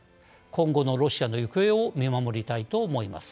今後のロシアの行方を見守りたいと思います。